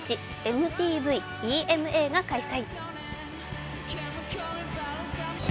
ＭＴＶＥＭＡが開催。